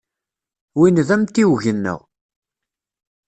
Win d amtiweg-nneɣ.